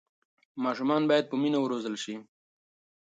ماشومان باید په مینه وروزل شي.